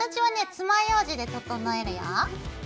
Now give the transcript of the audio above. つまようじで整えるよ。